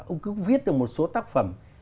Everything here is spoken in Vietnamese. ông cứ viết được một số tác phẩm